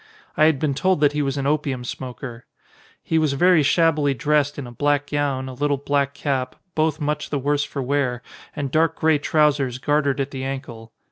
I had been told that he was an opium smoker. He was very shabbily dressed in a black gown, a little black cap, both much the worse for wear, and dark grey trousers gartered at the ankle.